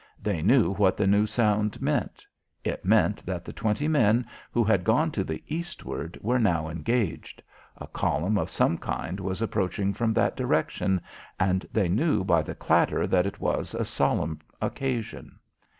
They knew what the new sound meant. It meant that the twenty men who had gone to the eastward were now engaged. A column of some kind was approaching from that direction, and they knew by the clatter that it was a solemn occasion.